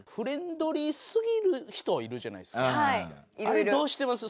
あれどうしてます？